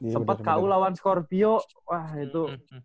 sempet ku lawan scorpio wah itu